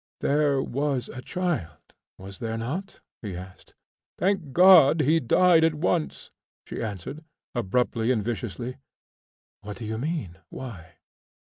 "There was a child, was there not?" he asked. "Thank God! he died at once," she answered, abruptly and viciously. "What do you mean? Why?"